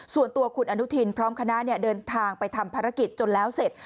ส่วนตัวคุณอนุทินพร้อมคณะเดินทางไปทำภารกิจจนแล้วเสร็จ